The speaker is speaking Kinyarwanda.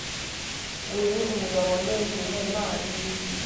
Uyu ni Umugabo wanejeje Imana